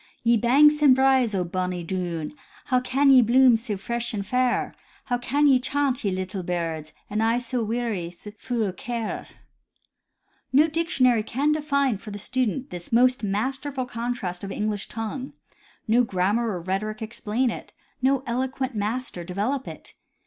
" Ye banks and braes o' bonny Doon, How can ye bloom sae fresh and fair? How can ye chaunt, ye little birds. An' I sae weary, fu' o' care ?" No dictionary can define for the student this most masterful contrast of English tongue ; no grammar or rhetoric explain it ; no eloquent master develop it.